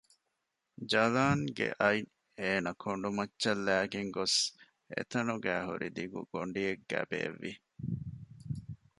ޖަލާން ގެ އަތް އޭނަ ކޮނޑުމައްޗަށް ލައިގެން ގޮސް އެތަނުގައި ހުރި ދިގު ގޮޑިއެއްގައި ބޭއްވި